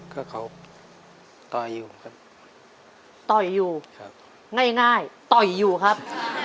จิตตะสังวโรครับ